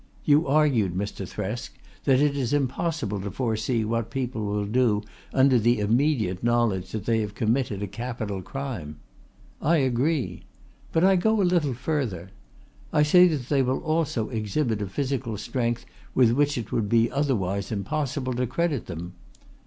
You argued, Mr. Thresk, that it is impossible to foresee what people will do under the immediate knowledge that they have committed a capital crime. I agree. But I go a little further. I say that they will also exhibit a physical strength with which it would be otherwise impossible to credit them.